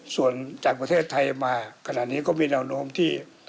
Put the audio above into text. ส่วนจากประเทศไทยมาขณะนี้ก็มีแนวโน้มที่